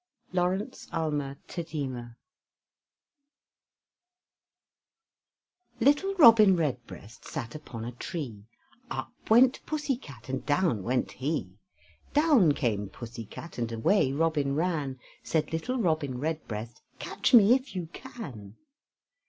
LAURENCE ALMA TADEMA Little Robin Redbreast sat upon a tree, Up went pussy cat, and down went he; Down came pussy cat, and away Robin ran; Said little Robin Redbreast, "Catch me if you can."